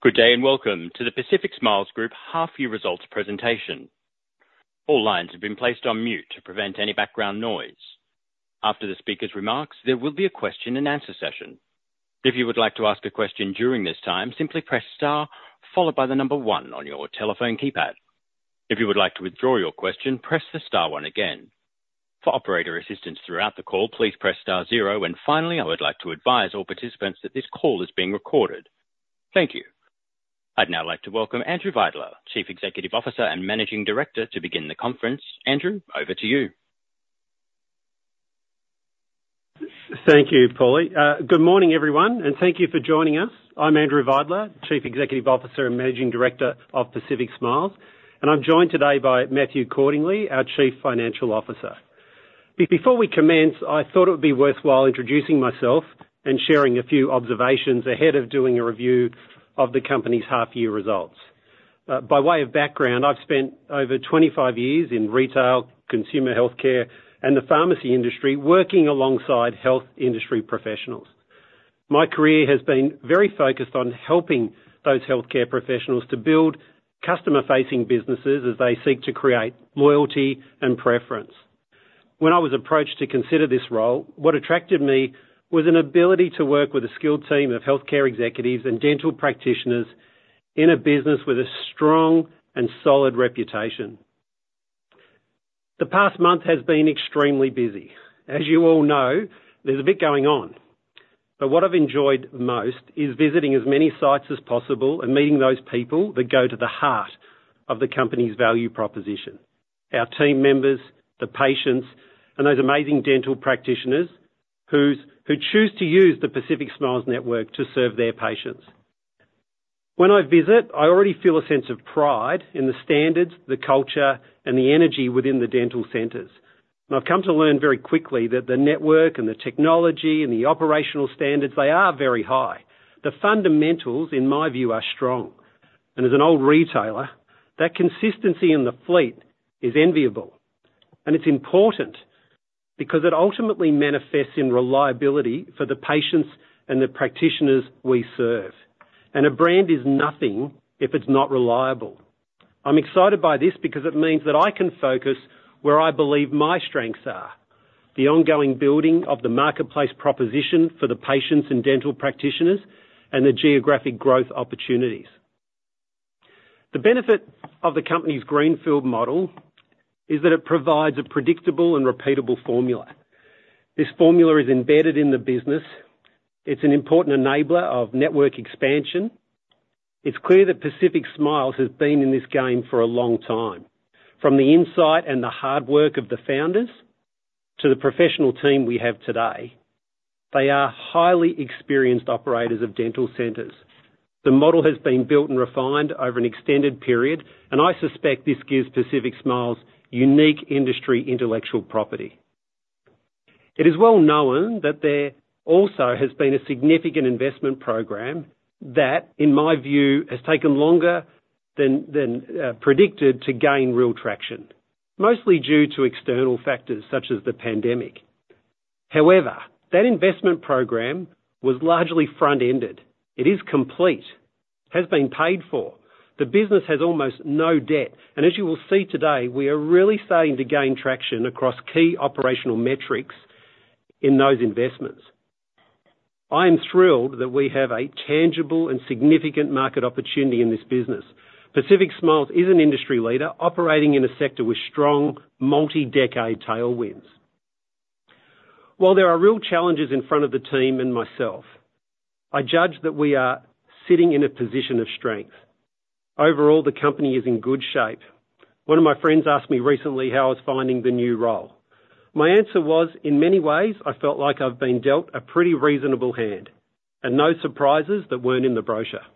Good day, and welcome to the Pacific Smiles Group half-year results presentation. All lines have been placed on mute to prevent any background noise. After the speaker's remarks, there will be a question and answer session. If you would like to ask a question during this time, simply press Star, followed by the number one on your telephone keypad. If you would like to withdraw your question, press the Star one again. For operator assistance throughout the call, please press Star zero, and finally, I would like to advise all participants that this call is being recorded. Thank you. I'd now like to welcome Andrew Vidler, Chief Executive Officer and Managing Director, to begin the conference. Andrew, over to you. Thank you, Paulie. Good morning, everyone, and thank you for joining us. I'm Andrew Vidler, Chief Executive Officer and Managing Director of Pacific Smiles, and I'm joined today by Matthew Cordingley, our Chief Financial Officer. Before we commence, I thought it would be worthwhile introducing myself and sharing a few observations ahead of doing a review of the company's half-year results. By way of background, I've spent over 25 years in retail, consumer healthcare, and the pharmacy industry, working alongside health industry professionals. My career has been very focused on helping those healthcare professionals to build customer-facing businesses as they seek to create loyalty and preference. When I was approached to consider this role, what attracted me was an ability to work with a skilled team of healthcare executives and dental practitioners in a business with a strong and solid reputation. The past month has been extremely busy. As you all know, there's a bit going on, but what I've enjoyed most is visiting as many sites as possible and meeting those people that go to the heart of the company's value proposition: our team members, the patients, and those amazing dental practitioners who choose to use the Pacific Smiles network to serve their patients. When I visit, I already feel a sense of pride in the standards, the culture, and the energy within the dental centers, and I've come to learn very quickly that the network and the technology and the operational standards, they are very high. The fundamentals, in my view, are strong, and as an old retailer, that consistency in the fleet is enviable. It's important because it ultimately manifests in reliability for the patients and the practitioners we serve. A brand is nothing if it's not reliable. I'm excited by this because it means that I can focus where I believe my strengths are, the ongoing building of the marketplace proposition for the patients and dental practitioners, and the geographic growth opportunities. The benefit of the company's Greenfield model is that it provides a predictable and repeatable formula. This formula is embedded in the business. It's an important enabler of network expansion. It's clear that Pacific Smiles has been in this game for a long time, from the insight and the hard work of the founders to the professional team we have today. They are highly experienced operators of dental centers. The model has been built and refined over an extended period, and I suspect this gives Pacific Smiles unique industry intellectual property. It is well known that there also has been a significant investment program that, in my view, has taken longer than predicted to gain real traction, mostly due to external factors such as the pandemic. However, that investment program was largely front-ended. It is complete, has been paid for. The business has almost no debt, and as you will see today, we are really starting to gain traction across key operational metrics in those investments. I am thrilled that we have a tangible and significant market opportunity in this business. Pacific Smiles is an industry leader operating in a sector with strong, multi-decade tailwinds. While there are real challenges in front of the team and myself, I judge that we are sitting in a position of strength. Overall, the company is in good shape. One of my friends asked me recently how I was finding the new role. My answer was: In many ways, I felt like I've been dealt a pretty reasonable hand, and no surprises that weren't in the brochure.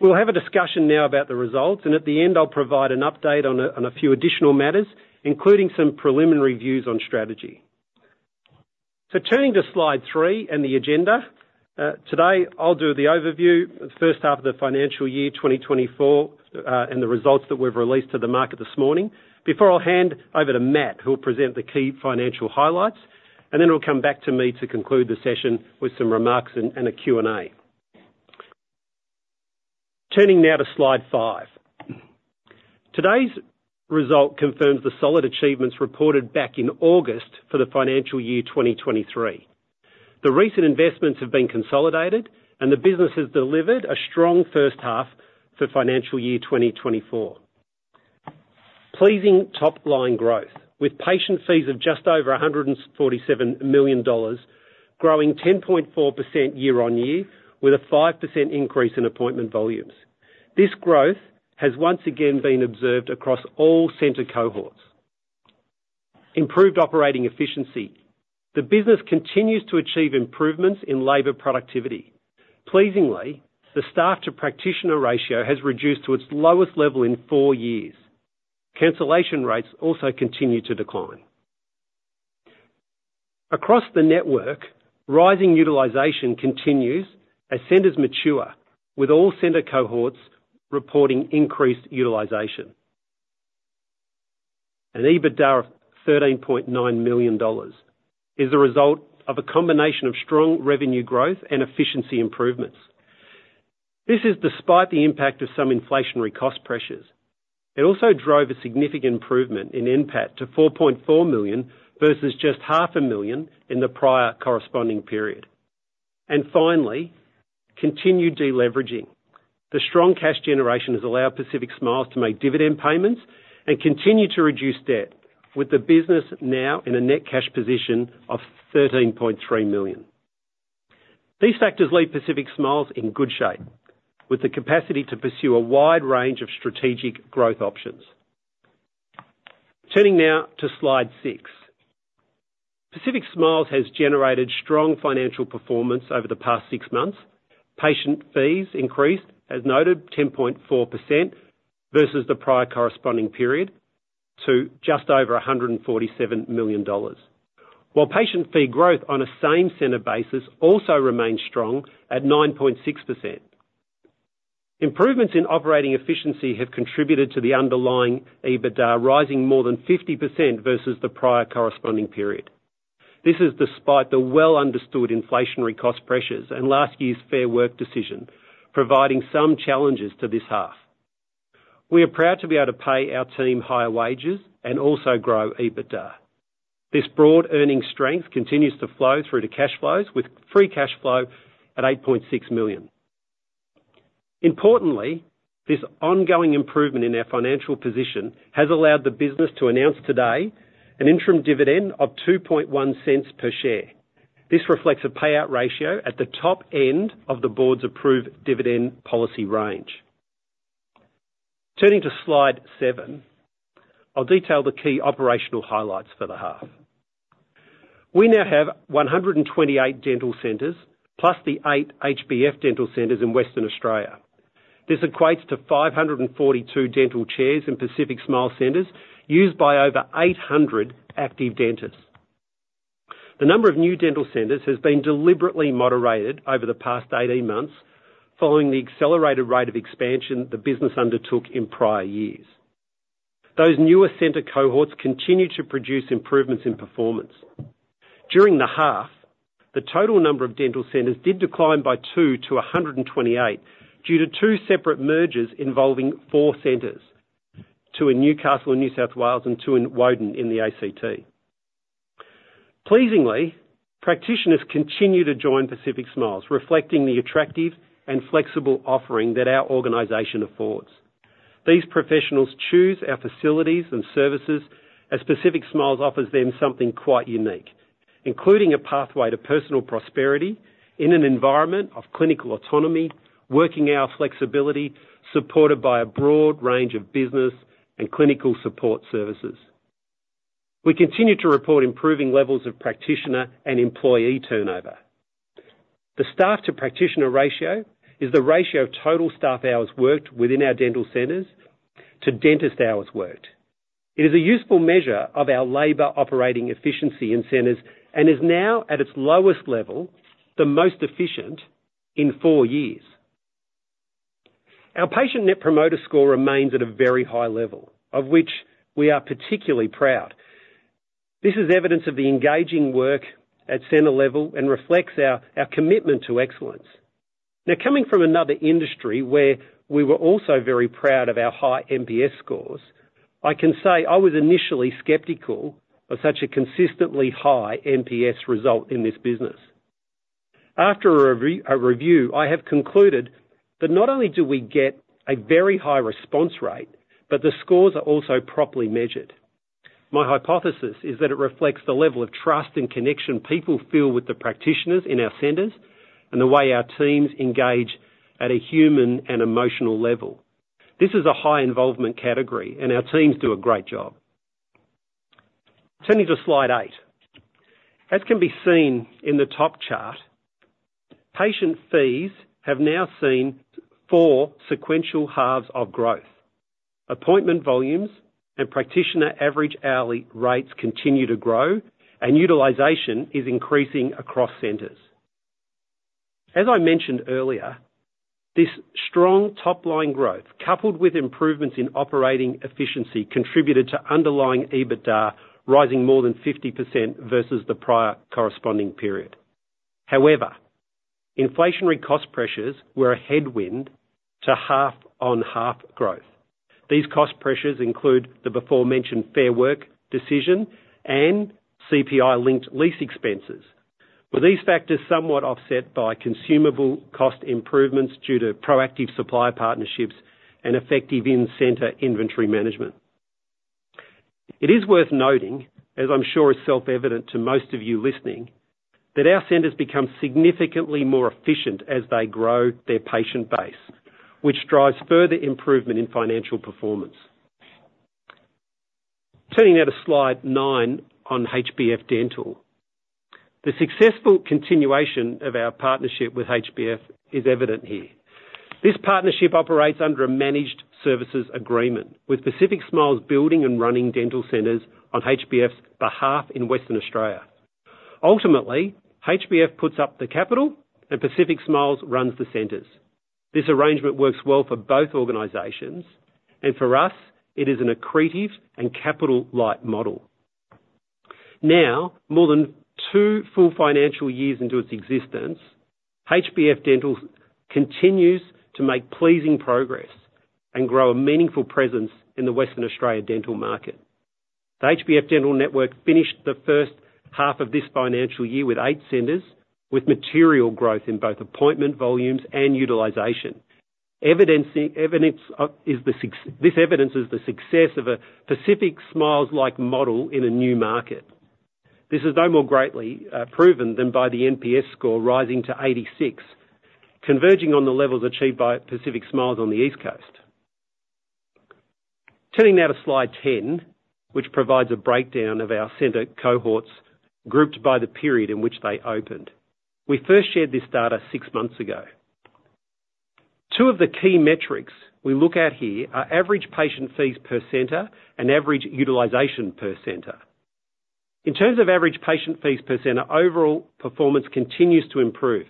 We'll have a discussion now about the results, and at the end, I'll provide an update on a, on a few additional matters, including some preliminary views on strategy. So turning to slide 3 and the agenda, today I'll do the overview, the first half of the financial year, 2024, and the results that we've released to the market this morning. Before I'll hand over to Matt, who will present the key financial highlights, and then we'll come back to me to conclude the session with some remarks and, and a Q&A. Turning now to slide 5. Today's result confirms the solid achievements reported back in August for the financial year 2023. The recent investments have been consolidated, and the business has delivered a strong first half for financial year 2024. Pleasing top-line growth with patient fees of just over 147 million dollars, growing 10.4% year-on-year, with a 5% increase in appointment volumes. This growth has once again been observed across all center cohorts. Improved operating efficiency. The business continues to achieve improvements in labor productivity. Pleasingly, the staff-to-practitioner ratio has reduced to its lowest level in four years. Cancellation rates also continue to decline. Across the network, rising utilization continues as centers mature, with all center cohorts reporting increased utilization... and EBITDA of 13.9 million dollars, is a result of a combination of strong revenue growth and efficiency improvements. This is despite the impact of some inflationary cost pressures. It also drove a significant improvement in NPAT to 4.4 million, versus just 0.5 million in the prior corresponding period. And finally, continued deleveraging. The strong cash generation has allowed Pacific Smiles to make dividend payments and continue to reduce debt, with the business now in a net cash position of 13.3 million. These factors leave Pacific Smiles in good shape, with the capacity to pursue a wide range of strategic growth options. Turning now to Slide 6. Pacific Smiles has generated strong financial performance over the past six months. Patient fees increased, as noted, 10.4% versus the prior corresponding period, to just over 147 million dollars. While patient fee growth on a same-center basis also remains strong at 9.6%. Improvements in operating efficiency have contributed to the underlying EBITDA, rising more than 50% versus the prior corresponding period. This is despite the well-understood inflationary cost pressures and last year's Fair Work decision, providing some challenges to this half. We are proud to be able to pay our team higher wages and also grow EBITDA. This broad earnings strength continues to flow through to cash flows, with free cash flow at 8.6 million. Importantly, this ongoing improvement in our financial position has allowed the business to announce today an interim dividend of 0.021 per share. This reflects a payout ratio at the top end of the board's approved dividend policy range. Turning to Slide 7, I'll detail the key operational highlights for the half. We now have 128 dental centers, plus the 8 HBF Dental centers in Western Australia. This equates to 542 dental chairs in Pacific Smiles centers, used by over 800 active dentists. The number of new dental centers has been deliberately moderated over the past 18 months, following the accelerated rate of expansion the business undertook in prior years. Those newer center cohorts continue to produce improvements in performance. During the half, the total number of dental centers did decline by 2 to 128, due to 2 separate mergers involving 4 centers: 2 in Newcastle, in New South Wales, and 2 in Woden, in the ACT. Pleasingly, practitioners continue to join Pacific Smiles, reflecting the attractive and flexible offering that our organization affords. These professionals choose our facilities and services as Pacific Smiles offers them something quite unique, including a pathway to personal prosperity in an environment of clinical autonomy, working hour flexibility, supported by a broad range of business and clinical support services. We continue to report improving levels of practitioner and employee turnover. The staff-to-practitioner ratio is the ratio of total staff hours worked within our dental centers to dentist hours worked. It is a useful measure of our labor operating efficiency in centers, and is now at its lowest level, the most efficient in four years. Our patient Net Promoter Score remains at a very high level, of which we are particularly proud. This is evidence of the engaging work at center level and reflects our, our commitment to excellence. Now, coming from another industry where we were also very proud of our high NPS scores, I can say I was initially skeptical of such a consistently high NPS result in this business. After a review, I have concluded that not only do we get a very high response rate, but the scores are also properly measured. My hypothesis is that it reflects the level of trust and connection people feel with the practitioners in our centers, and the way our teams engage at a human and emotional level. This is a high-involvement category, and our teams do a great job. Turning to Slide 8. As can be seen in the top chart, patient fees have now seen 4 sequential halves of growth. Appointment volumes and practitioner average hourly rates continue to grow, and utilization is increasing across centers. As I mentioned earlier, this strong top-line growth, coupled with improvements in operating efficiency, contributed to underlying EBITDA rising more than 50% versus the prior corresponding period. However, inflationary cost pressures were a headwind to half-on-half growth. These cost pressures include the before-mentioned Fair Work decision and CPI-linked lease expenses, with these factors somewhat offset by consumable cost improvements due to proactive supply partnerships and effective in-center inventory management. It is worth noting, as I'm sure is self-evident to most of you listening, that our centers become significantly more efficient as they grow their patient base, which drives further improvement in financial performance. Turning now to Slide nine on HBF Dental. The successful continuation of our partnership with HBF is evident here. This partnership operates under a managed services agreement, with Pacific Smiles building and running dental centers on HBF's behalf in Western Australia... Ultimately, HBF puts up the capital and Pacific Smiles runs the centers. This arrangement works well for both organizations, and for us, it is an accretive and capital-light model. Now, more than two full financial years into its existence, HBF Dental continues to make pleasing progress and grow a meaningful presence in the Western Australia dental market. The HBF Dental network finished the first half of this financial year with 8 centers, with material growth in both appointment, volumes, and utilization. This evidences the success of a Pacific Smiles-like model in a new market. This is no more greatly proven than by the NPS score rising to 86, converging on the levels achieved by Pacific Smiles on the East Coast. Turning now to Slide 10, which provides a breakdown of our center cohorts, grouped by the period in which they opened. We first shared this data six months ago. Two of the key metrics we look at here are average patient fees per center and average utilization per center. In terms of average patient fees per center, overall performance continues to improve.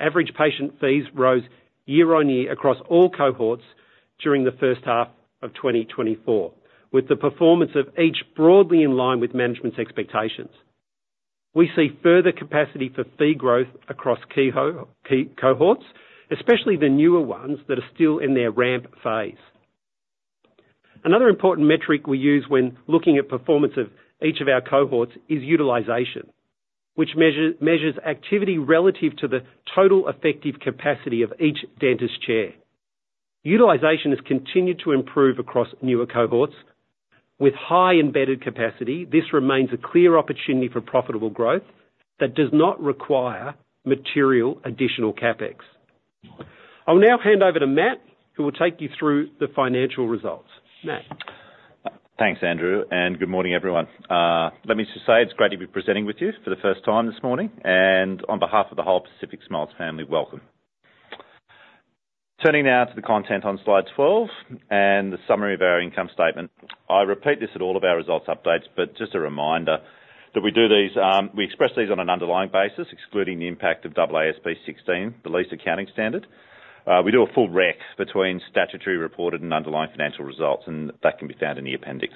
Average patient fees rose year-on-year across all cohorts during the first half of 2024, with the performance of each broadly in line with management's expectations. We see further capacity for fee growth across key cohorts, especially the newer ones that are still in their ramp phase. Another important metric we use when looking at performance of each of our cohorts is utilization, which measures activity relative to the total effective capacity of each dentist chair. Utilization has continued to improve across newer cohorts. With high embedded capacity, this remains a clear opportunity for profitable growth that does not require material additional CapEx. I'll now hand over to Matt, who will take you through the financial results. Matt? Thanks, Andrew, and good morning, everyone. Let me just say, it's great to be presenting with you for the first time this morning, and on behalf of the whole Pacific Smiles family, welcome. Turning now to the content on Slide 12, and the summary of our income statement. I repeat this at all of our results updates, but just a reminder that we do these, we express these on an underlying basis, excluding the impact of AASB 16, the lease accounting standard. We do a full rec between statutory reported and underlying financial results, and that can be found in the appendix.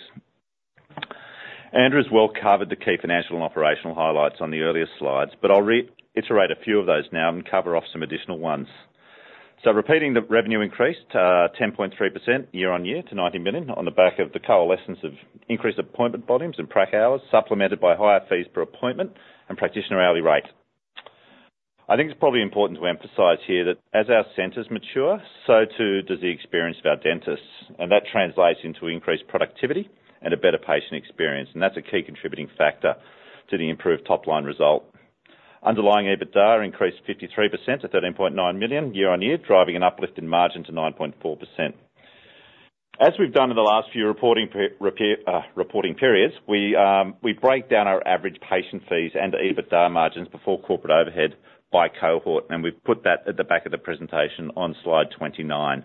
Andrew has well covered the key financial and operational highlights on the earlier slides, but I'll reiterate a few of those now and cover off some additional ones. Repeating the revenue increased 10.3% year-on-year to 90 million, on the back of the coalescence of increased appointment volumes and prac hours, supplemented by higher fees per appointment and practitioner hourly rate. I think it's probably important to emphasize here that as our centers mature, so too does the experience of our dentists, and that translates into increased productivity and a better patient experience, and that's a key contributing factor to the improved top-line result. Underlying EBITDA increased 53% to 13.9 million year-on-year, driving an uplift in margin to 9.4%. As we've done in the last few reporting periods, we break down our average patient fees and EBITDA margins before corporate overhead by cohort, and we've put that at the back of the presentation on Slide 29.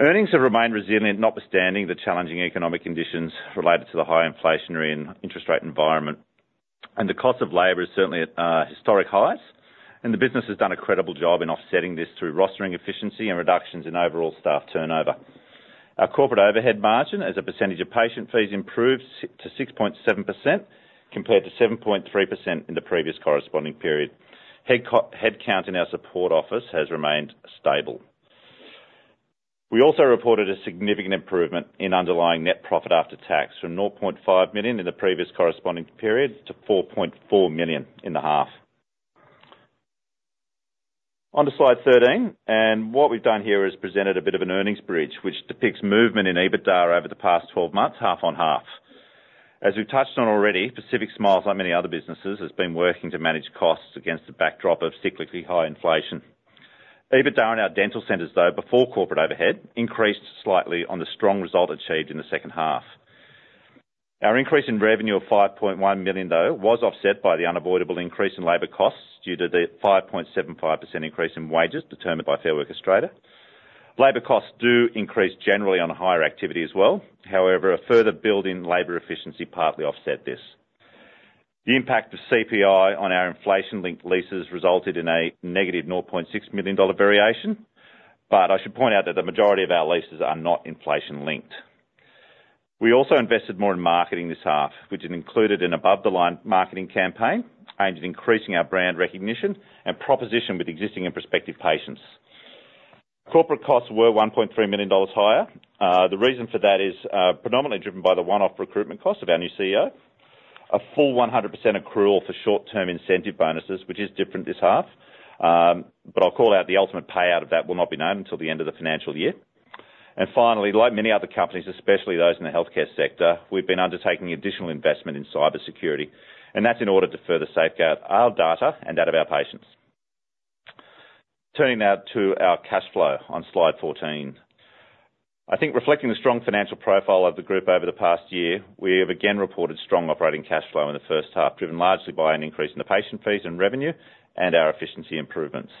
Earnings have remained resilient, notwithstanding the challenging economic conditions related to the high inflationary and interest rate environment. And the cost of labor is certainly at historic highs, and the business has done a credible job in offsetting this through rostering efficiency and reductions in overall staff turnover. Our corporate overhead margin, as a percentage of patient fees, improved to 6.7%, compared to 7.3% in the previous corresponding period. Headcount in our support office has remained stable. We also reported a significant improvement in underlying net profit after tax, from 0.5 million in the previous corresponding period to 4.4 million in the half. On to Slide 13, and what we've done here is presented a bit of an earnings bridge, which depicts movement in EBITDA over the past 12 months, half-on-half. As we've touched on already, Pacific Smiles, like many other businesses, has been working to manage costs against the backdrop of cyclically high inflation. EBITDA in our dental centers, though, before corporate overhead, increased slightly on the strong result achieved in the second half. Our increase in revenue of 5.1 million, though, was offset by the unavoidable increase in labor costs, due to the 5.75% increase in wages determined by Fair Work Australia. Labor costs do increase generally on higher activity as well. However, a further build in labor efficiency partly offset this. The impact of CPI on our inflation-linked leases resulted in a negative 0.6 million dollar variation, but I should point out that the majority of our leases are not inflation-linked. We also invested more in marketing this half, which has included an above-the-line marketing campaign, aimed at increasing our brand recognition and proposition with existing and prospective patients. Corporate costs were 1.3 million dollars higher. The reason for that is, predominantly driven by the one-off recruitment cost of our new CEO. A full 100% accrual for short-term incentive bonuses, which is different this half. But I'll call out the ultimate payout of that will not be known until the end of the financial year. And finally, like many other companies, especially those in the healthcare sector, we've been undertaking additional investment in cybersecurity, and that's in order to further safeguard our data and that of our patients. Turning now to our cash flow on Slide 14. I think reflecting the strong financial profile of the group over the past year, we have again reported strong operating cash flow in the first half, driven largely by an increase in the patient fees and revenue and our efficiency improvements.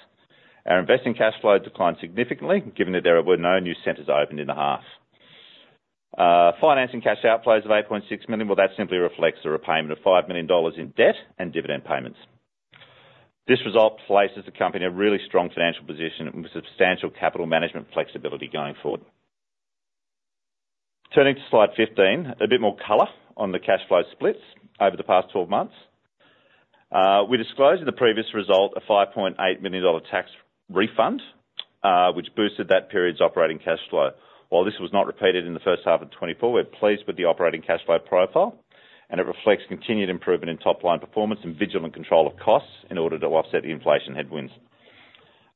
Our investing cash flow declined significantly, given that there were no new centers opened in the half. Financing cash outflows of 8.6 million. Well, that simply reflects the repayment of 5 million dollars in debt and dividend payments. This result places the company in a really strong financial position and with substantial capital management flexibility going forward. Turning to slide 15, a bit more color on the cash flow splits over the past 12 months. We disclosed in the previous result a 5.8 million dollar tax refund, which boosted that period's operating cash flow. While this was not repeated in the first half of 2024, we're pleased with the operating cash flow profile, and it reflects continued improvement in top-line performance and vigilant control of costs in order to offset the inflation headwinds.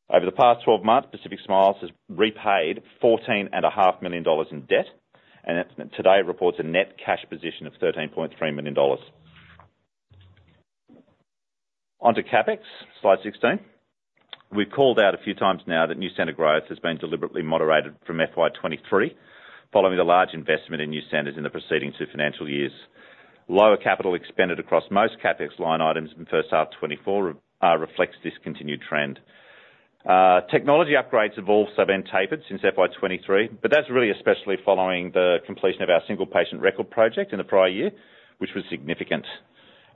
Over the past 12 months, Pacific Smiles has repaid 14.5 million dollars in debt, and it today reports a net cash position of 13.3 million dollars. Onto CapEx, slide 16. We've called out a few times now that new center growth has been deliberately moderated from FY 2023, following the large investment in new centers in the preceding 2 financial years. Lower capital expended across most CapEx line items in the first half of 2024 reflects this continued trend. Technology upgrades have also been tapered since FY 2023, but that's really especially following the completion of our single patient record project in the prior year, which was significant.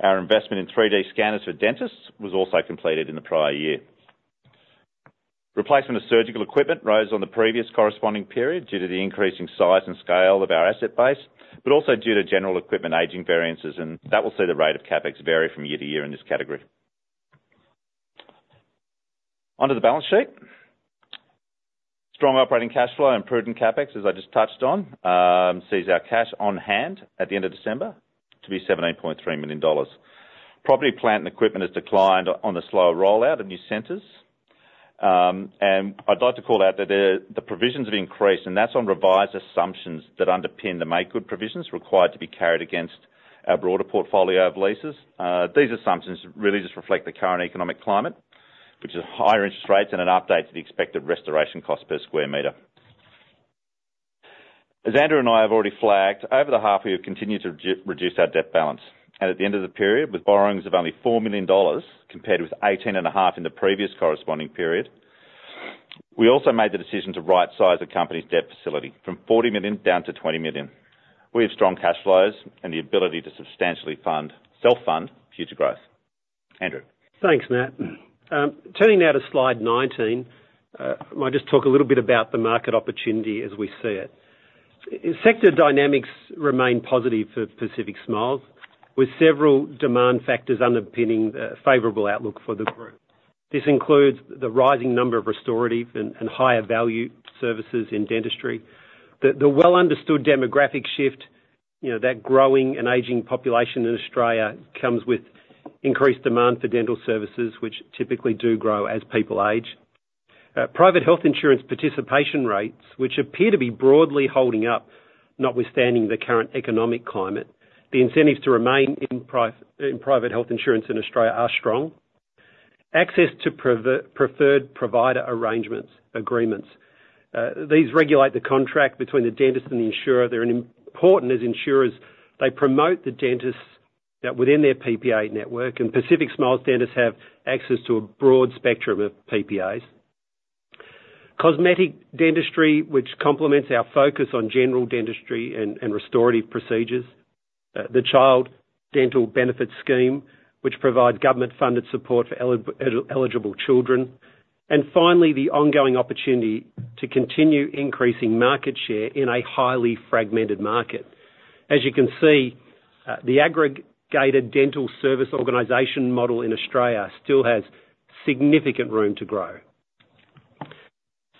Our investment in 3D scanners for dentists was also completed in the prior year. Replacement of surgical equipment rose on the previous corresponding period due to the increasing size and scale of our asset base, but also due to general equipment aging variances, and that will see the rate of CapEx vary from year to year in this category. Onto the balance sheet. Strong operating cash flow and prudent CapEx, as I just touched on, sees our cash on hand at the end of December to be AUD 17.3 million. Property plant and equipment has declined on the slower rollout of new centers. I'd like to call out that the provisions have increased, and that's on revised assumptions that underpin the makegood provisions required to be carried against our broader portfolio of leases. These assumptions really just reflect the current economic climate, which is higher interest rates and an update to the expected restoration cost per square meter. As Andrew and I have already flagged, over the half year, we've continued to reduce our debt balance, and at the end of the period, with borrowings of only 4 million dollars, compared with 18.5 million in the previous corresponding period, we also made the decision to rightsize the company's debt facility from 40 million down to 20 million. We have strong cash flows and the ability to substantially self-fund future growth. Andrew? Thanks, Matt. Turning now to slide 19, I might just talk a little bit about the market opportunity as we see it. Sector dynamics remain positive for Pacific Smiles, with several demand factors underpinning the favorable outlook for the group. This includes the rising number of restorative and higher-value services in dentistry. The well-understood demographic shift, you know, that growing and aging population in Australia comes with increased demand for dental services, which typically do grow as people age. Private health insurance participation rates, which appear to be broadly holding up, notwithstanding the current economic climate, the incentives to remain in private health insurance in Australia are strong. Access to preferred provider arrangements, agreements. These regulate the contract between the dentist and the insurer. They're an important as insurers. They promote the dentists that within their PPA network, and Pacific Smiles dentists have access to a broad spectrum of PPAs. Cosmetic dentistry, which complements our focus on general dentistry and restorative procedures. The Child Dental Benefit Scheme, which provide government-funded support for eligible children. And finally, the ongoing opportunity to continue increasing market share in a highly fragmented market. As you can see, the aggregated dental service organization model in Australia still has significant room to grow.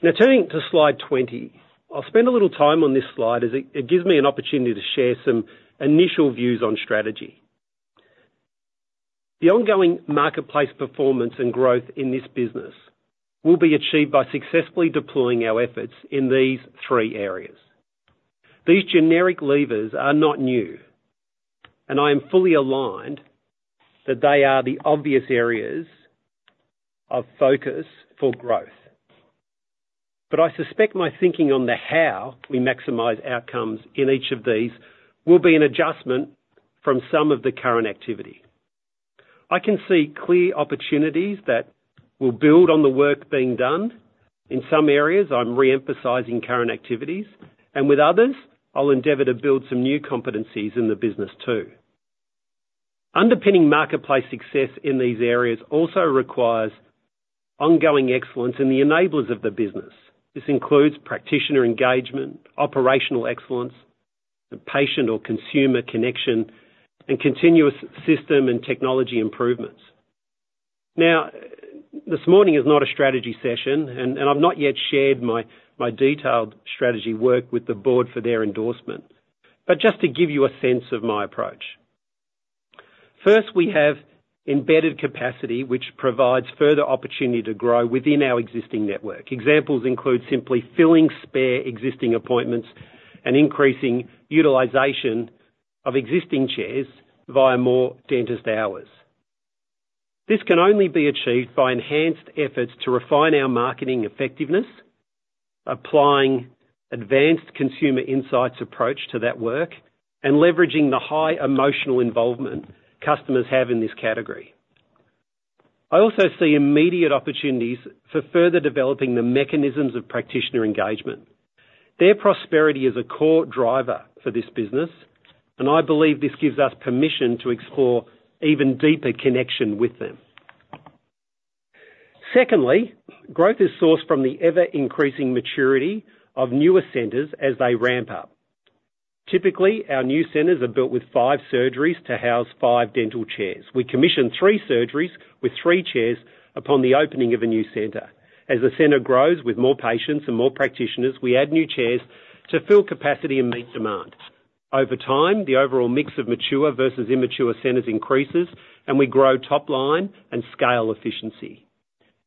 Now, turning to slide 20. I'll spend a little time on this slide, as it gives me an opportunity to share some initial views on strategy. The ongoing marketplace performance and growth in this business will be achieved by successfully deploying our efforts in these three areas. These generic levers are not new, and I am fully aligned that they are the obvious areas of focus for growth. But I suspect my thinking on the how we maximize outcomes in each of these will be an adjustment from some of the current activity. I can see clear opportunities that will build on the work being done. In some areas, I'm re-emphasizing current activities, and with others, I'll endeavor to build some new competencies in the business, too. Underpinning marketplace success in these areas also requires ongoing excellence in the enablers of the business. This includes practitioner engagement, operational excellence, and patient or consumer connection, and continuous system and technology improvements. Now, this morning is not a strategy session, and I've not yet shared my detailed strategy work with the board for their endorsement, but just to give you a sense of my approach. First, we have embedded capacity, which provides further opportunity to grow within our existing network. Examples include simply filling spare existing appointments and increasing utilization of existing chairs via more dentist hours. This can only be achieved by enhanced efforts to refine our marketing effectiveness, applying advanced consumer insights approach to that work, and leveraging the high emotional involvement customers have in this category.... I also see immediate opportunities for further developing the mechanisms of practitioner engagement. Their prosperity is a core driver for this business, and I believe this gives us permission to explore even deeper connection with them. Secondly, growth is sourced from the ever-increasing maturity of newer centers as they ramp up. Typically, our new centers are built with five surgeries to house five dental chairs. We commission three surgeries with three chairs upon the opening of a new center. As the center grows with more patients and more practitioners, we add new chairs to fill capacity and meet demand. Over time, the overall mix of mature versus immature centers increases, and we grow top line and scale efficiency.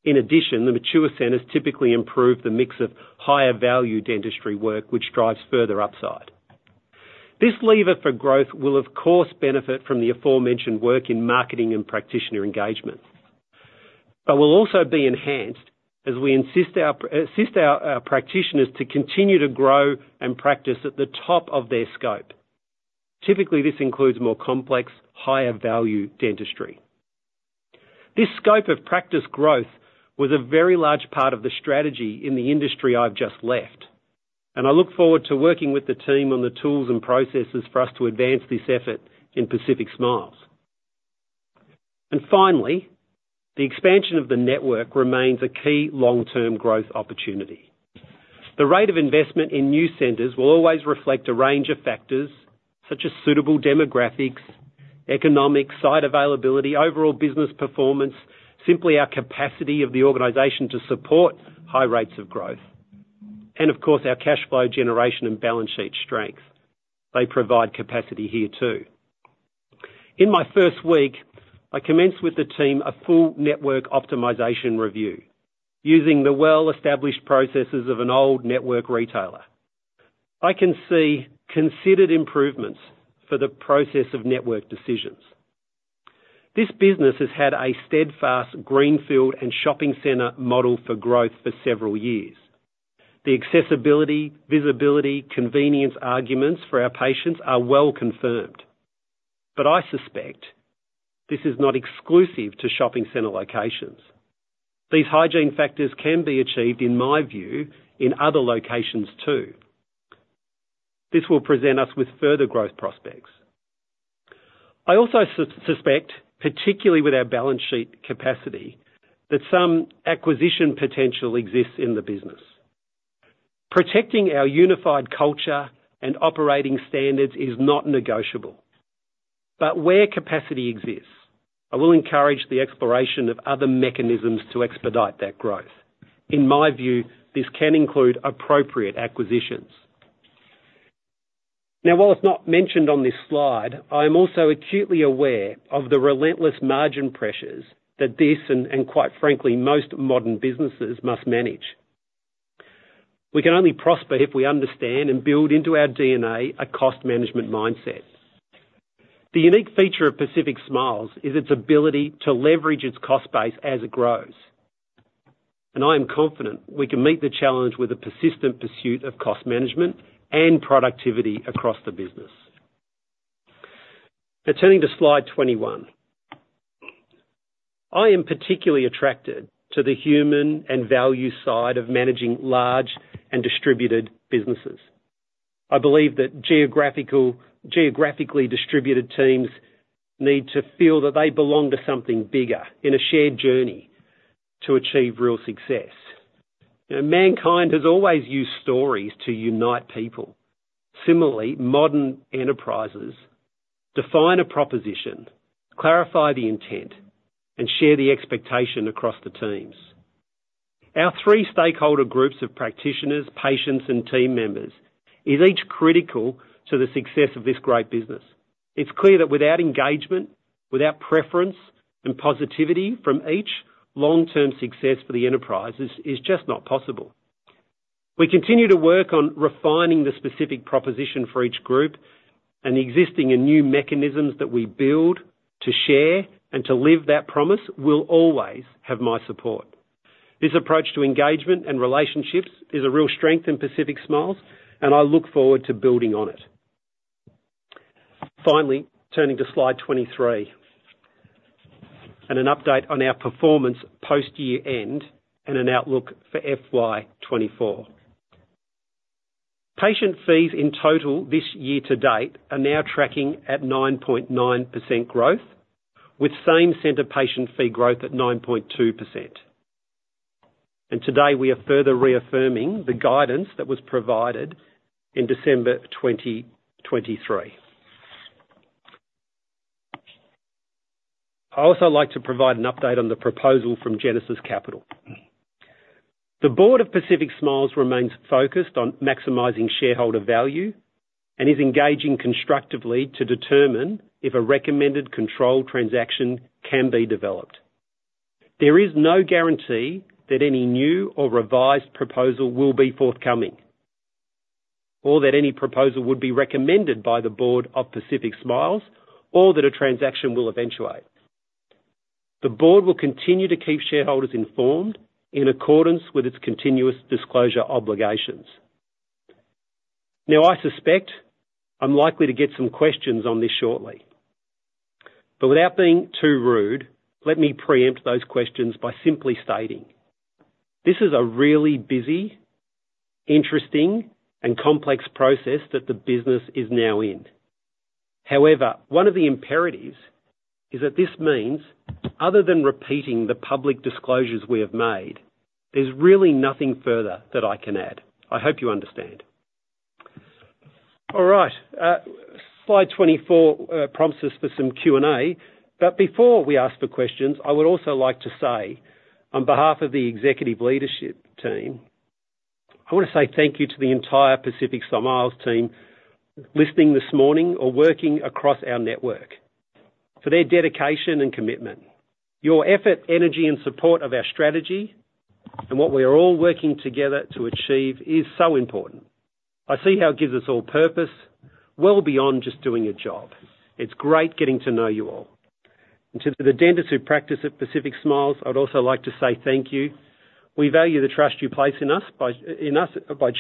In addition, the mature centers typically improve the mix of higher-value dentistry work, which drives further upside. This lever for growth will, of course, benefit from the aforementioned work in marketing and practitioner engagement, but will also be enhanced as we assist our practitioners to continue to grow and practice at the top of their scope. Typically, this includes more complex, higher-value dentistry. This scope of practice growth was a very large part of the strategy in the industry I've just left, and I look forward to working with the team on the tools and processes for us to advance this effort in Pacific Smiles. Finally, the expansion of the network remains a key long-term growth opportunity. The rate of investment in new centers will always reflect a range of factors, such as suitable demographics, economics, site availability, overall business performance, simply our capacity of the organization to support high rates of growth, and of course, our cash flow generation and balance sheet strength. They provide capacity here, too. In my first week, I commenced with the team a full network optimization review using the well-established processes of an old network retailer. I can see considered improvements for the process of network decisions. This business has had a steadfast greenfield and shopping center model for growth for several years. The accessibility, visibility, convenience, arguments for our patients are well confirmed, but I suspect this is not exclusive to shopping center locations. These hygiene factors can be achieved, in my view, in other locations, too. This will present us with further growth prospects. I also suspect, particularly with our balance sheet capacity, that some acquisition potential exists in the business. Protecting our unified culture and operating standards is not negotiable, but where capacity exists, I will encourage the exploration of other mechanisms to expedite that growth. In my view, this can include appropriate acquisitions. Now, while it's not mentioned on this slide, I am also acutely aware of the relentless margin pressures that this and quite frankly, most modern businesses must manage. We can only prosper if we understand and build into our DNA a cost management mindset. The unique feature of Pacific Smiles is its ability to leverage its cost base as it grows, and I am confident we can meet the challenge with a persistent pursuit of cost management and productivity across the business. Now, turning to Slide 21. I am particularly attracted to the human and value side of managing large and distributed businesses. I believe that geographically distributed teams need to feel that they belong to something bigger in a shared journey to achieve real success. Mankind has always used stories to unite people. Similarly, modern enterprises define a proposition, clarify the intent, and share the expectation across the teams. Our three stakeholder groups of practitioners, patients, and team members is each critical to the success of this great business. It's clear that without engagement, without preference and positivity from each, long-term success for the enterprise is just not possible. We continue to work on refining the specific proposition for each group, and the existing and new mechanisms that we build to share and to live that promise will always have my support. This approach to engagement and relationships is a real strength in Pacific Smiles, and I look forward to building on it. Finally, turning to Slide 23, and an update on our performance post-year end and an outlook for FY 2024. Patient fees in total this year to date are now tracking at 9.9% growth, with same-center patient fee growth at 9.2%. And today, we are further reaffirming the guidance that was provided in December 2023. I'd also like to provide an update on the proposal from Genesis Capital. The board of Pacific Smiles remains focused on maximizing shareholder value and is engaging constructively to determine if a recommended controlled transaction can be developed. There is no guarantee that any new or revised proposal will be forthcoming, or that any proposal would be recommended by the Board of Pacific Smiles, or that a transaction will eventuate. The board will continue to keep shareholders informed in accordance with its continuous disclosure obligations... Now, I suspect I'm likely to get some questions on this shortly, but without being too rude, let me preempt those questions by simply stating: this is a really busy, interesting, and complex process that the business is now in. However, one of the imperatives is that this means, other than repeating the public disclosures we have made, there's really nothing further that I can add. I hope you understand. All right, slide 24 prompts us for some Q&A, but before we ask the questions, I would also like to say, on behalf of the executive leadership team, I wanna say thank you to the entire Pacific Smiles team listening this morning or working across our network, for their dedication and commitment. Your effort, energy, and support of our strategy, and what we are all working together to achieve is so important. I see how it gives us all purpose well beyond just doing a job. It's great getting to know you all. And to the dentists who practice at Pacific Smiles, I'd also like to say thank you. We value the trust you place in us by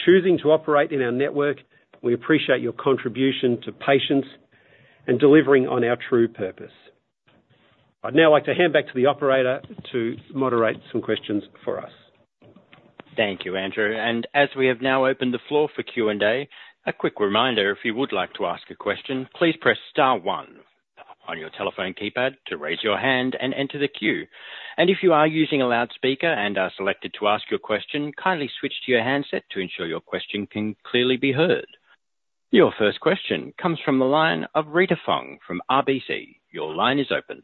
choosing to operate in our network. We appreciate your contribution to patients and delivering on our true purpose. I'd now like to hand back to the operator to moderate some questions for us. Thank you, Andrew, and as we have now opened the floor for Q&A, a quick reminder, if you would like to ask a question, please press star one on your telephone keypad to raise your hand and enter the queue. If you are using a loudspeaker and are selected to ask your question, kindly switch to your handset to ensure your question can clearly be heard. Your first question comes from the line of Rita Fong from RBC. Your line is open.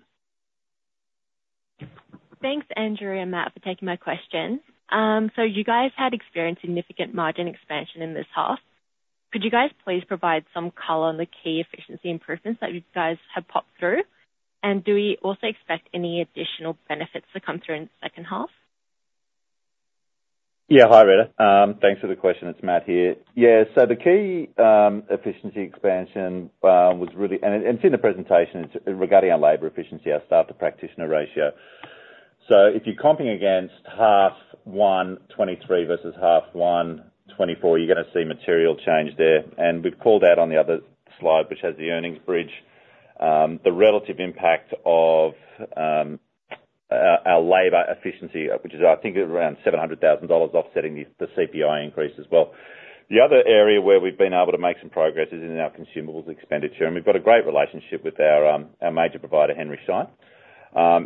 Thanks, Andrew and Matt, for taking my question. So you guys had experienced significant margin expansion in this half. Could you guys please provide some color on the key efficiency improvements that you guys have popped through? And do we also expect any additional benefits to come through in the second half? Yeah. Hi, Rita. Thanks for the question. It's Matt here. Yeah, so the key efficiency expansion was really... And it's in the presentation, it's regarding our labor efficiency, our staff-to-practitioner ratio. So if you're comping against 1H 2023 versus 1H 2024, you're gonna see material change there. And we've called out on the other slide, which has the earnings bridge, the relative impact of our labor efficiency, which is, I think, around 700,000 dollars offsetting the CPI increase as well. The other area where we've been able to make some progress is in our consumables expenditure, and we've got a great relationship with our major provider, Henry Schein.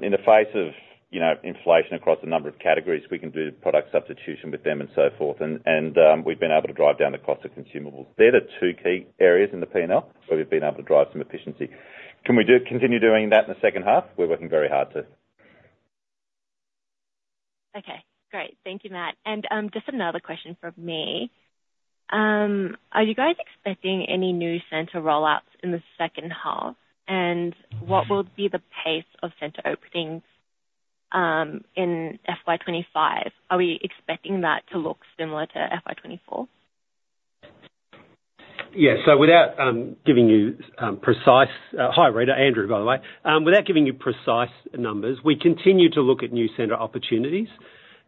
In the face of, you know, inflation across a number of categories, we can do product substitution with them and so forth, and we've been able to drive down the cost of consumables. They're the two key areas in the P&L where we've been able to drive some efficiency. Can we continue doing that in the second half? We're working very hard to. Okay, great. Thank you, Matt. Just another question from me. Are you guys expecting any new center rollouts in the second half? And what will be the pace of center openings in FY 25? Are we expecting that to look similar to FY 24? Yeah. So without giving you precise... Hi, Rita. Andrew, by the way. Without giving you precise numbers, we continue to look at new center opportunities.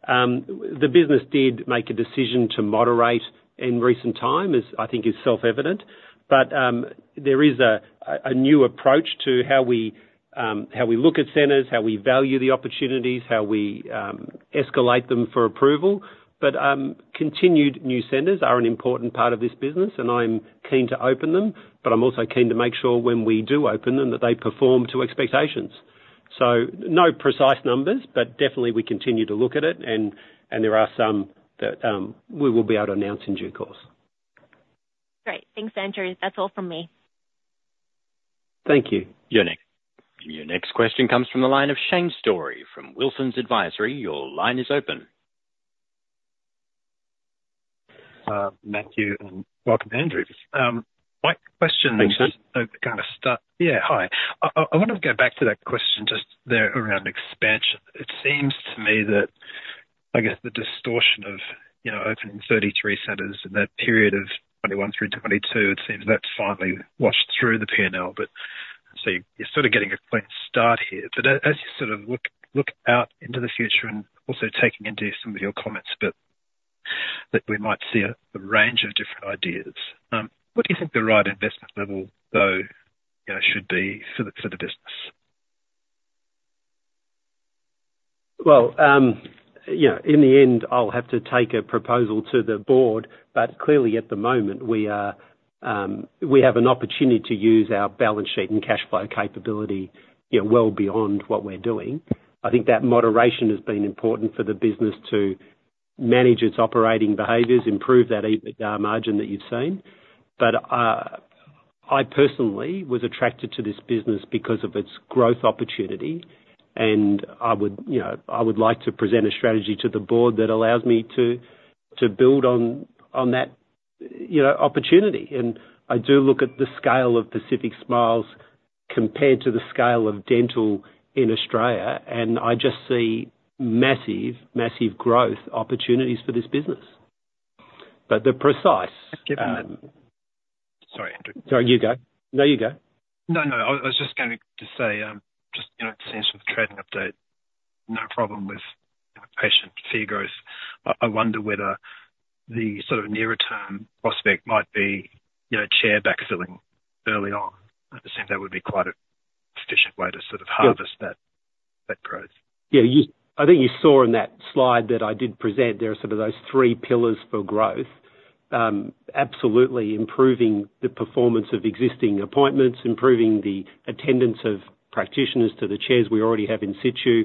The business did make a decision to moderate in recent time, as I think is self-evident. But there is a new approach to how we look at centers, how we value the opportunities, how we escalate them for approval. But continued new centers are an important part of this business, and I'm keen to open them, but I'm also keen to make sure when we do open them, that they perform to expectations. So no precise numbers, but definitely we continue to look at it, and there are some that we will be able to announce in due course. Great. Thanks, Andrew. That's all from me. Thank you. Your next question comes from the line of Shane Storey from Wilsons Advisory. Your line is open. Matthew, and welcome, Andrew. My question- Thanks, Shane. Yeah, hi. I wanna go back to that question just there around expansion. It seems to me that, I guess, the distortion of, you know, opening 33 centers in that period of 2021 through 2022, it seems that's finally washed through the P&L, but so you're sort of getting a clean start here. But as you sort of look out into the future and also taking into some of your comments, but that we might see a range of different ideas, what do you think the right investment level, though, you know, should be for the business? Well, you know, in the end, I'll have to take a proposal to the board, but clearly, at the moment, we are, we have an opportunity to use our balance sheet and cash flow capability, you know, well beyond what we're doing. I think that moderation has been important for the business to manage its operating behaviors, improve that EBITDA margin that you've seen. But, I personally was attracted to this business because of its growth opportunity, and I would, you know, I would like to present a strategy to the board that allows me to, to build on, on that, you know, opportunity. And I do look at the scale of Pacific Smiles compared to the scale of dental in Australia, and I just see massive, massive growth opportunities for this business. But the precise, Thank you, Matt... Sorry, Andrew. Sorry, you go. No, you go. No, no, I, I was just going to say, just, you know, since the trading update, no problem with patient fee growth. I, I wonder whether the sort of nearer term prospect might be, you know, chair backfilling early on. I assume that would be quite a sufficient way to sort of harvest that, that growth. Yeah, I think you saw in that slide that I did present, there are sort of those three pillars for growth. Absolutely, improving the performance of existing appointments, improving the attendance of practitioners to the chairs we already have in situ,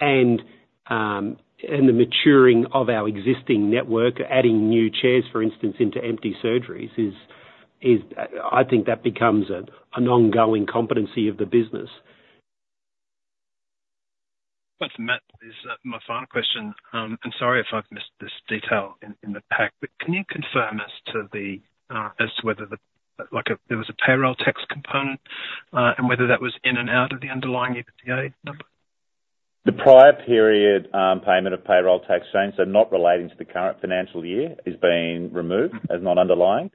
and the maturing of our existing network, adding new chairs, for instance, into empty surgeries, is, I think, that becomes an ongoing competency of the business. But Matt, this is my final question. And sorry if I've missed this detail in the pack, but can you confirm as to whether the, like, there was a payroll tax component, and whether that was in and out of the underlying EBITDA number? The prior period, payment of payroll tax, Shane, so not relating to the current financial year, is being removed as non-underlying.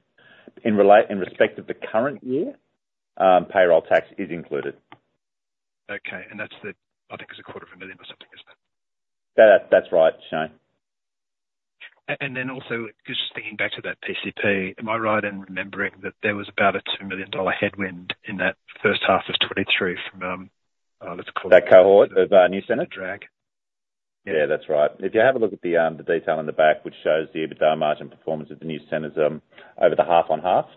In respect of the current year, payroll tax is included. Okay, and that's the... I think it's 250,000 or something, isn't it? That, that's right, Shane. And then also, just thinking back to that PCP, am I right in remembering that there was about a 2 million dollar headwind in that first half of 2023 from, let's call it- That cohort of new centers? -drag. Yeah, that's right. If you have a look at the detail on the back, which shows the EBITDA margin performance of the new centers over the half on half,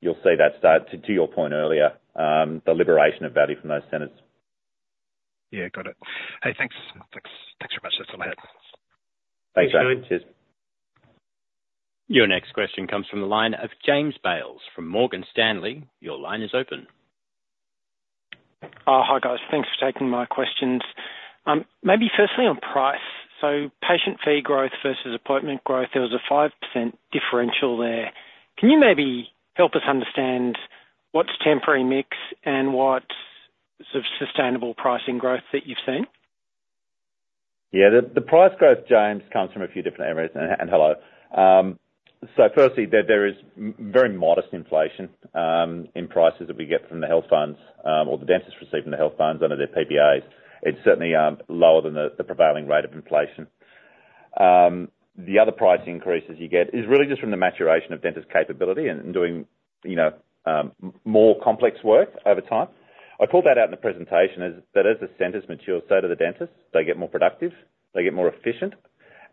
you'll see that start to your point earlier, the liberation of value from those centers. Yeah. Got it. Hey, thanks. Thanks, thanks very much for the update. Thanks, Shane. Cheers. Your next question comes from the line of James Bales from Morgan Stanley. Your line is open. Hi, guys. Thanks for taking my questions. Maybe firstly on price. So patient fee growth versus appointment growth, there was a 5% differential there. Can you maybe help us understand what's temporary mix and what's sort of sustainable pricing growth that you've seen? Yeah, the price growth, James, comes from a few different areas, and hello. So firstly, there is very modest inflation in prices that we get from the health funds, or the dentists receive from the health funds under their PPAs. It's certainly lower than the prevailing rate of inflation. The other price increases you get is really just from the maturation of dentist capability and doing, you know, more complex work over time. I called that out in the presentation as the centers mature, so do the dentists. They get more productive, they get more efficient,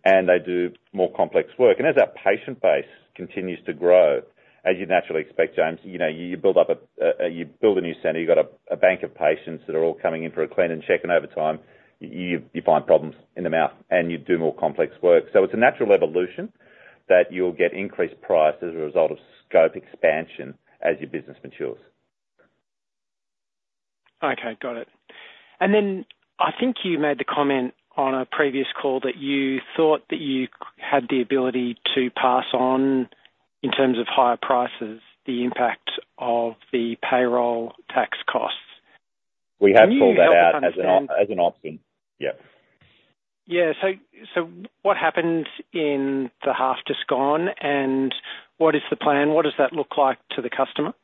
and they do more complex work. As our patient base continues to grow, as you'd naturally expect, James, you know, you build up a new center, you've got a bank of patients that are all coming in for a clean and check, and over time, you find problems in the mouth, and you do more complex work. It's a natural evolution that you'll get increased price as a result of scope expansion as your business matures. Okay, got it. And then I think you made the comment on a previous call that you thought that you had the ability to pass on, in terms of higher prices, the impact of the payroll tax costs. We have called that out- Can you help us understand- as an option, yeah. Yeah, so what happened in the half just gone, and what is the plan? What does that look like to the customer?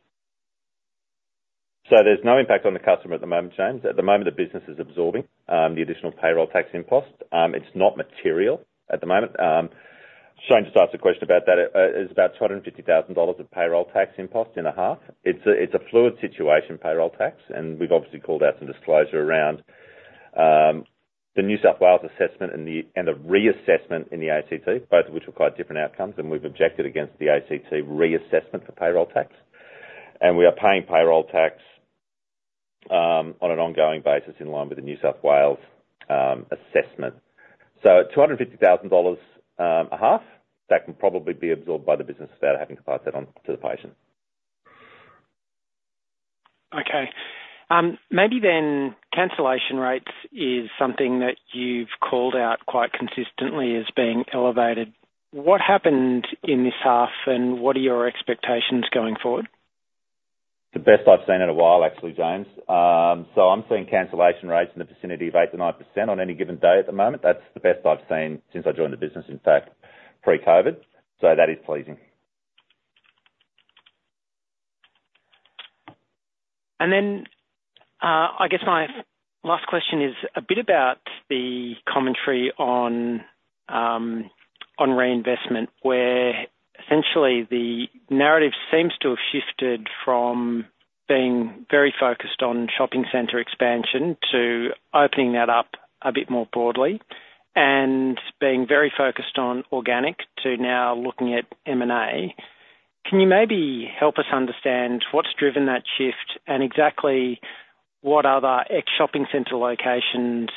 So there's no impact on the customer at the moment, James. At the moment, the business is absorbing the additional payroll tax impost. It's not material at the moment. Shane just asked a question about that. It's about 250,000 dollars of payroll tax impost in a half. It's a fluid situation, payroll tax, and we've obviously called out some disclosure around the New South Wales assessment and the reassessment in the ACT, both of which require different outcomes, and we've objected against the ACT reassessment for payroll tax. And we are paying payroll tax on an ongoing basis in line with the New South Wales assessment. So 250,000 dollars a half, that can probably be absorbed by the business without having to pass that on to the patient. Okay. Maybe then cancellation rates is something that you've called out quite consistently as being elevated. What happened in this half, and what are your expectations going forward? The best I've seen in a while, actually, James. I'm seeing cancellation rates in the vicinity of 8%-9% on any given day at the moment. That's the best I've seen since I joined the business, in fact, pre-COVID. That is pleasing. And then, I guess my last question is a bit about the commentary on reinvestment, where essentially the narrative seems to have shifted from being very focused on shopping center expansion to opening that up a bit more broadly, and being very focused on organic to now looking at M&A. Can you maybe help us understand what's driven that shift and exactly what other ex-shopping center locations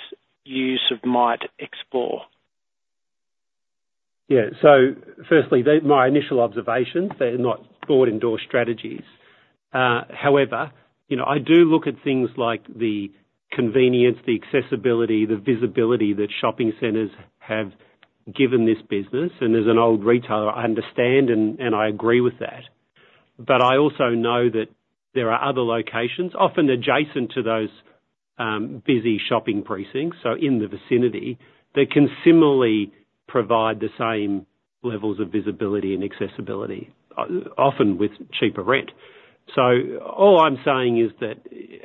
you sort of might explore? Yeah. So firstly, my initial observations, they're not thought indoor strategies. However, you know, I do look at things like the convenience, the accessibility, the visibility that shopping centers have given this business, and as an old retailer, I understand and, and I agree with that. But I also know that there are other locations, often adjacent to those busy shopping precincts, so in the vicinity, that can similarly provide the same levels of visibility and accessibility, often with cheaper rent. So all I'm saying is that,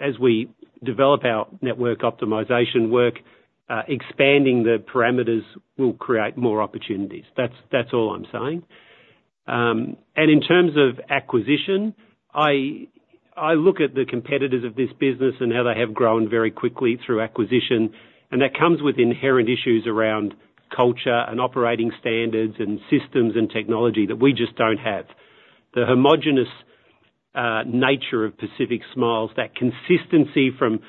as we develop our network optimization work, expanding the parameters will create more opportunities. That's, that's all I'm saying. In terms of acquisition, I look at the competitors of this business and how they have grown very quickly through acquisition, and that comes with inherent issues around culture and operating standards and systems and technology that we just don't have. The homogeneous nature of Pacific Smiles, that consistency from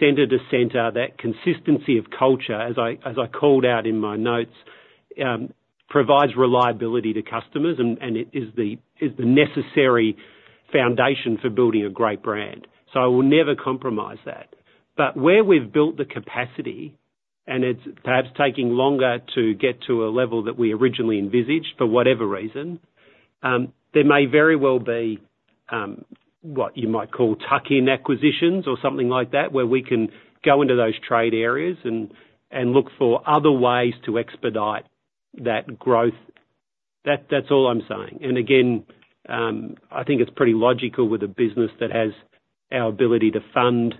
center to center, that consistency of culture, as I called out in my notes, provides reliability to customers, and it is the necessary foundation for building a great brand, so I will never compromise that. But where we've built the capacity, and it's perhaps taking longer to get to a level that we originally envisaged, for whatever reason, there may very well be what you might call tuck-in acquisitions or something like that, where we can go into those trade areas and look for other ways to expedite that growth. That's all I'm saying. And again, I think it's pretty logical with a business that has our ability to fund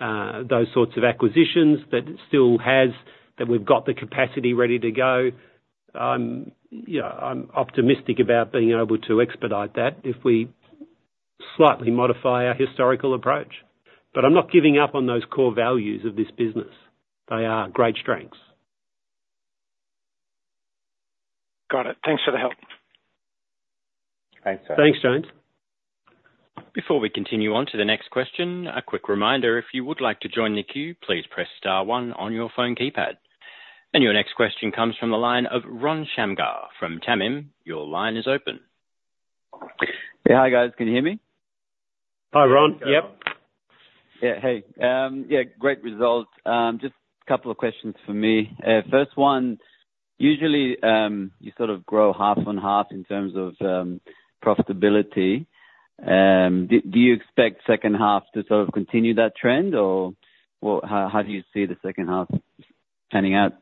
those sorts of acquisitions, but still has... That we've got the capacity ready to go. You know, I'm optimistic about being able to expedite that, if we slightly modify our historical approach. But I'm not giving up on those core values of this business. They are great strengths. Got it. Thanks for the help. Thanks. Thanks, James. Before we continue on to the next question, a quick reminder. If you would like to join the queue, please press star one on your phone keypad. Your next question comes from the line of Ron Shamgar from Tamim. Your line is open. Yeah. Hi, guys. Can you hear me? Hi, Ron. Yep. Yeah, hey. Yeah, great results. Just a couple of questions from me. First one, usually, you sort of grow half on half in terms of profitability. Do, do you expect second half to sort of continue that trend? Or, well, how, how do you see the second half panning out?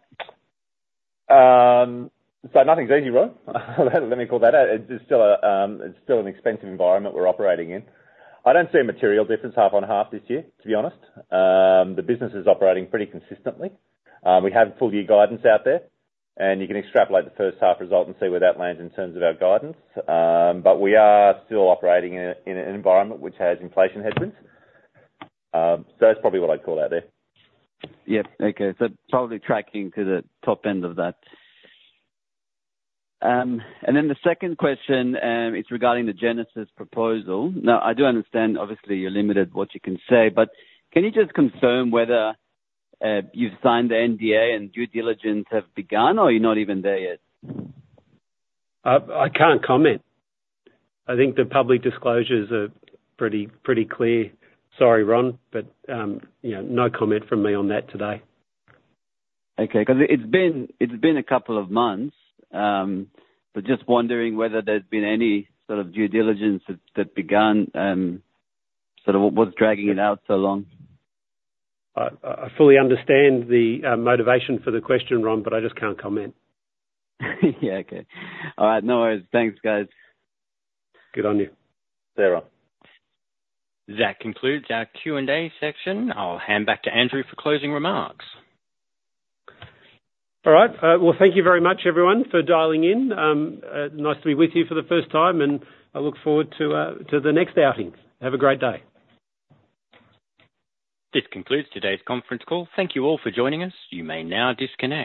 So nothing's easy, Ron. Let me call that out. It's still a, it's still an expensive environment we're operating in. I don't see a material difference half on half this year, to be honest. The business is operating pretty consistently. We have full year guidance out there, and you can extrapolate the first half result and see where that lands in terms of our guidance. But we are still operating in a, in an environment which has inflation headwinds. So that's probably what I'd call out there. Yep. Okay. So probably tracking to the top end of that. And then the second question is regarding the Genesis proposal. Now, I do understand, obviously, you're limited what you can say, but can you just confirm whether you've signed the NDA and due diligence have begun, or you're not even there yet? I can't comment. I think the public disclosures are pretty, pretty clear. Sorry, Ron, but, you know, no comment from me on that today. Okay, 'cause it's been, it's been a couple of months. But just wondering whether there's been any sort of due diligence that begun, sort of what's dragging it out so long? I fully understand the motivation for the question, Ron, but I just can't comment. Yeah. Okay. All right. No worries. Thanks, guys. Good on you. See you, Ron. That concludes our Q&A section. I'll hand back to Andrew for closing remarks. All right. Well, thank you very much, everyone, for dialing in. Nice to be with you for the first time, and I look forward to the next outing. Have a great day. This concludes today's conference call. Thank you all for joining us. You may now disconnect.